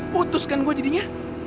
putus kan gua jadinya